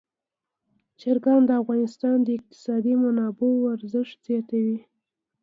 چرګان د افغانستان د اقتصادي منابعو ارزښت زیاتوي.